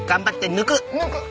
抜く！